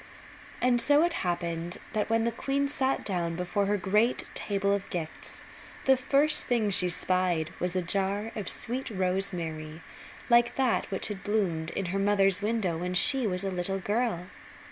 And so it happened that when the queen sat down before her great table of gifts the first thing she spied was a jar of sweet rosemary like that which had bloomed in her mother's window when she was a little girl.